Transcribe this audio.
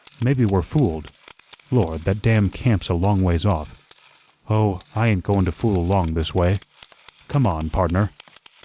Maybe we're fooled. Lord, that damn camp's a long ways off. Oh, I ain't goin' to fool along this way. Come on, pardner."